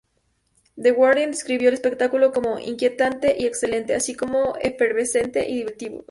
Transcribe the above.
The Guardian describió el espectáculo como "inquietante y excelente", así como "efervescente y divertido".